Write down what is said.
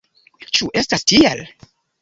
Ĉu estas tiel?